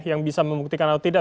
yang bisa membuktikan atau tidak